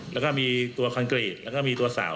แล้วก็มีตัวคอนกรีตแล้วก็มีตัวสาว